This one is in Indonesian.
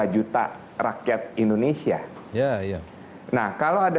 dua puluh lima juta rakyat indonesia nah kalau ada